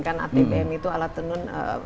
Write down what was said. atbm itu alat tenun